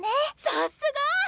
さっすが！